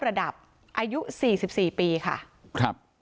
มันมีแม่ด้วย